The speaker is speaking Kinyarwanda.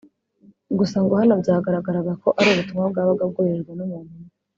Gusa ngo hano byagaragaraga ko ari ubutumwa bwabaga bwohererejwe umuntu umwe